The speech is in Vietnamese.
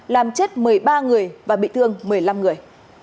làm chết một mươi ba người và bị thương một mươi năm người